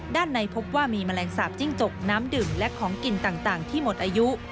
ในพบว่ามีแมลงสาปจิ้งจกน้ำดื่มและของกินต่างที่หมดอายุ